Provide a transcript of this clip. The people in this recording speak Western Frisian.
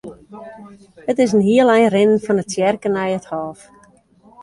It is in hiel ein rinnen fan de tsjerke nei it hôf.